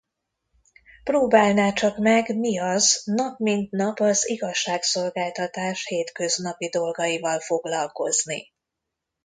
Próbálná csak meg, mi az: nap mint nap az igazságszolgáltatás hétköznapi dolgaival foglalkozni.